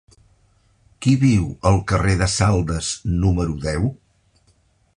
Qui viu al carrer de Saldes número deu?